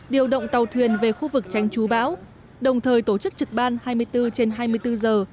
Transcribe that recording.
điều động tàu thuyền về khu vực tranh chú bão đồng thời tổ chức trực ban hai mươi bốn trên hai mươi bốn giờ